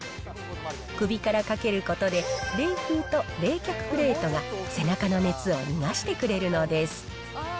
首からかけることで、冷風と冷却プレートが、背中の熱を逃がしてくれるのです。